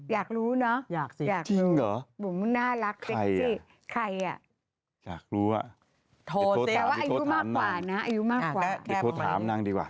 อยากรู้เนอะอยากรู้หนูน่ารักเจ๊สิใครอ่ะอยากรู้อ่ะโทรตามนั่งโทรตามนั่งดีกว่า